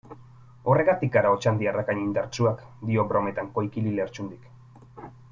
Horregatik gara otxandiarrak hain indartsuak, dio brometan Koikili Lertxundik.